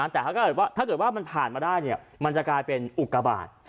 แต่ถ้าเกิดว่ามันผ่านมาได้มันจะกลายเป็นอุกาบาท